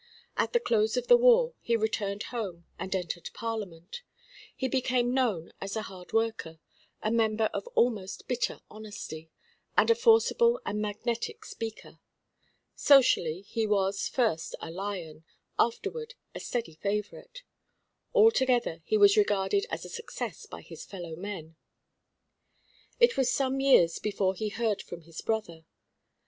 At the close of the war, he returned home and entered Parliament. He became known as a hard worker, a member of almost bitter honesty, and a forcible and magnetic speaker. Socially he was, first, a lion, afterward, a steady favourite. Altogether he was regarded as a success by his fellow men. It was some years before he heard from his brother.